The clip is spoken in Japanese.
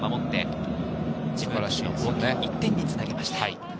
１点につなぎました。